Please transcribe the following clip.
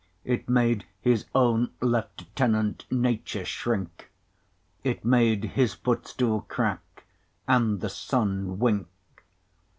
It made his owne Lieutenant Nature shrinke, It made his footstoole crack, and the Sunne winke.